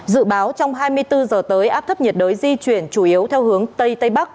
dự báo trong hai mươi bốn giờ tới áp thấp nhiệt đới di chuyển chủ yếu theo hướng tây tây bắc